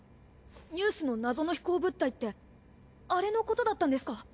ニュースの謎の飛行物体ってあれのことだったんですか？